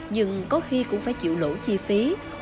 nhưng có khi cũng phải chịu lỗ chi phí